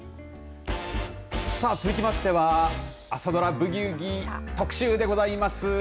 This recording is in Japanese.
さあ、続きましては朝ドラ、ブギウギ特集でございます。